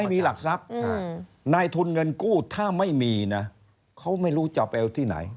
ไม่มีหลักทรัพย์นายทุนเงินกู้ถ้าไม่มีนะเขาไม่รู้จะไปเอาที่ไหน